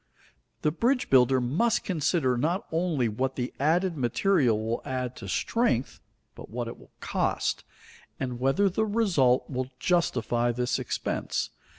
The bridge builder must consider not only what the added material will add to strength, but what it will cost, and whether the result will justify this expense.